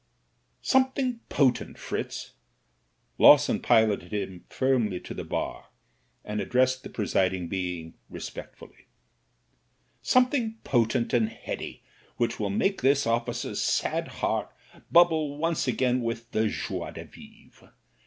"Something potent, Fritz." Lawson piloted him firmly to the bar and addressed the presiding being respectfully. "Something potent and heady which will make this officer's sad heart bubble once again with the joie de vivre.